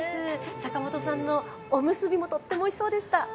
坂本さんのおむすびもとってもおいしそうでした。